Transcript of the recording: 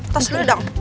tos dulu dong